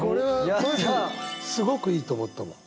すごくいいと思ったもん。